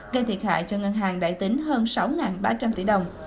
gây thiệt hại cho ngân hàng đại tín hơn sáu ba trăm linh tỷ đồng